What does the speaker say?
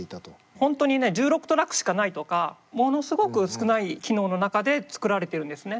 本当にね１６トラックしかないとかものすごく少ない機能の中で作られてるんですね。